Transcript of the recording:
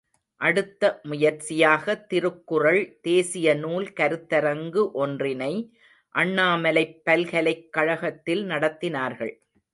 அடுத்த முயற்சியாக திருக்குறள் தேசியநூல் கருத்தரங்கு ஒன்றினை அண்ணாமலைப் பல்கலைக் கழகத்தில் நடத்தினார்கள்.